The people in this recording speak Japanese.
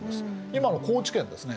今の高知県ですね。